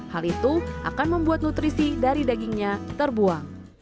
hal itu akan membuat nutrisi dari dagingnya terbuang